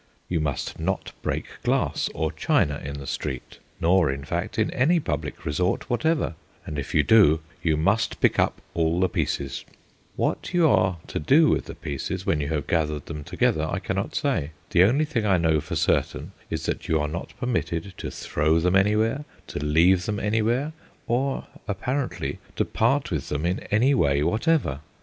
You must not break glass or china in the street, nor, in fact, in any public resort whatever; and if you do, you must pick up all the pieces. What you are to do with the pieces when you have gathered them together I cannot say. The only thing I know for certain is that you are not permitted to throw them anywhere, to leave them anywhere, or apparently to part with them in any way whatever.